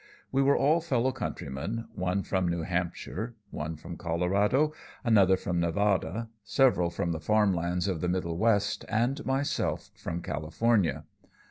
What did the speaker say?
We were all fellow countrymen; one from New Hampshire, one from Colorado, another from Nevada, several from the farm lands of the Middle West, and I myself from California.